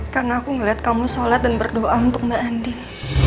karena aku ngeliat kamu sholat dan berdoa untuk mbak andin